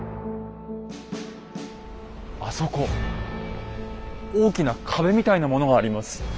あそこ大きな壁みたいなものがあります。